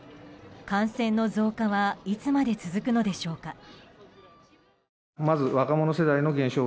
感染の増加はいつまで続くのでしょうか。